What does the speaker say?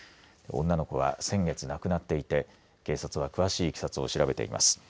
女の子は先月亡くなっていて警察は詳しいいきさつを調べています。